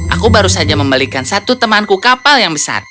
aku baru saja membelikan satu temanku kapal yang besar